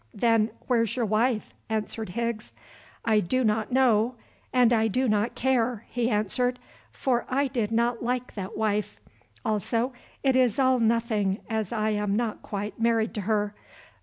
"Then, where's your wife?" asked Higgs. "I do not know and I do not care," he answered, "for I did not like that wife. Also it is all nothing as I am not quite married to her.